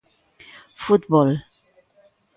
Fútbol.